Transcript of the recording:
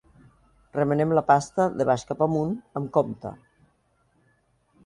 Remenem la pasta de baix cap amunt, amb compte.